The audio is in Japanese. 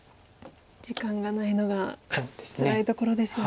時間がないのがつらいところですよね。